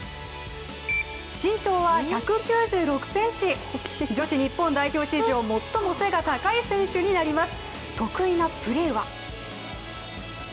身長は１９６ｃｍ、女子日本代表史上最も背の高い選手になります。